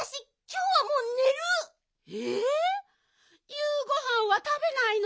ゆうごはんはたべないの？